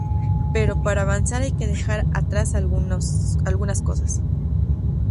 Pero, para avanzar hay que dejar atrás algunas cosas.